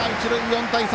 ４対３。